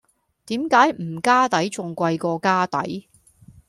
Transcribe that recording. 點解唔加底仲貴過加底?